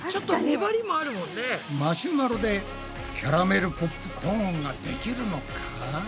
マシュマロでキャラメルポップコーンができるのか？